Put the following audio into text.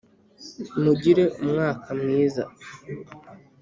mugire umwaka mwiza